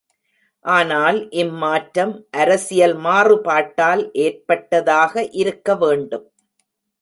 ஆனால் இம் மாற்றம் அரசியல் மாறுபாட்டால் ஏற்பட்டதாக இருக்க வேண்டும்.